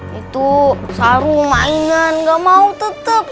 itu sarung mainan gak mau tetap